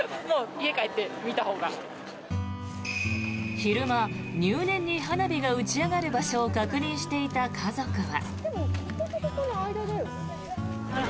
昼間、入念に花火が打ち上がる場所を確認していた家族は。